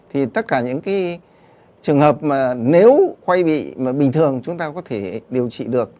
thì tất cả những trường hợp mà nếu quay bị bình thường chúng ta có thể điều trị được